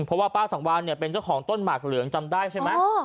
เพราะว่าป้าสังวานเนี่ยเป็นเจ้าของต้นหมากเหลืองจำได้ใช่ไหม